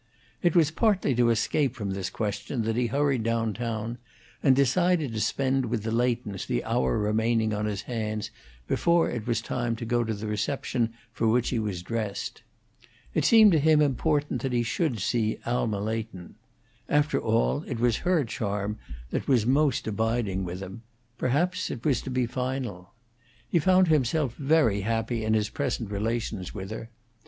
It was partly to escape from this question that he hurried down town, and decided to spend with the Leightons the hour remaining on his hands before it was time to go to the reception for which he was dressed. It seemed to him important that he should see Alma Leighton. After all, it was her charm that was most abiding with him; perhaps it was to be final. He found himself very happy in his present relations with her.